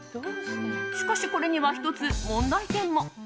しかし、これには１つ問題点も。